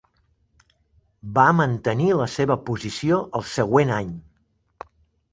Va mantenir la seva posició al següent any.